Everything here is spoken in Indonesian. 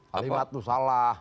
kalimat tuh salah